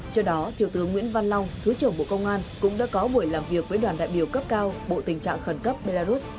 trước đó thiếu tướng nguyễn văn long thứ trưởng bộ công an cũng đã có buổi làm việc với đoàn đại biểu cấp cao bộ tình trạng khẩn cấp belarus